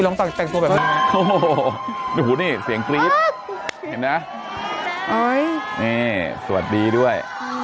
แต่งตัวแบบนี้โอ้โหนี่เสียงกรี๊ดเห็นไหมนี่สวัสดีด้วย